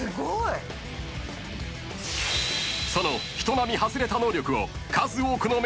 ［その人並み外れた能力を］